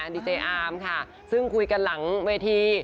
ดีเจอามค่ะซึ่งคุยกันหลังเวที